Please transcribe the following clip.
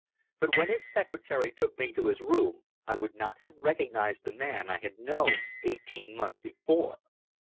But when his secretary took me to his room I would not have recognized the man I had known eighteen months before.